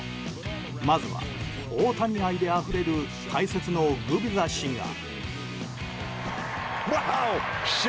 まずは大谷愛であふれる解説のグビザ氏が。